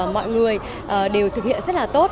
mọi người đều thực hiện rất là tốt